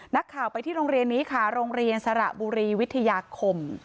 นักข่าวไปที่โรงเรียนนี้ค่ะโรงเรียนสระบุรีวิทยาคม